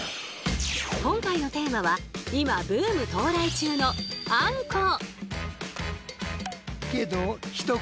今回のテーマは今ブーム到来中の「あんこ」！